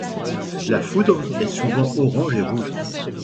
La foudre est souvent orange et rouge.